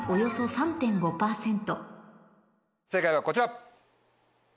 正解はこちら。